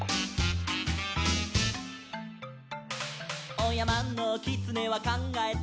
「おやまのきつねはかんがえた」